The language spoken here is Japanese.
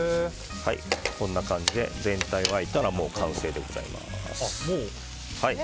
こんな感じで全体を混ぜたら完成でございます。